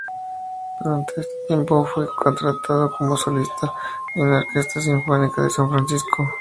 Durante este tiempo, fue contratado como solista en la Orquesta Sinfónica de San Francisco.